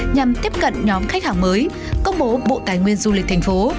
nhằm tiếp cận nhóm khách hàng mới công bố bộ tài nguyên du lịch thành phố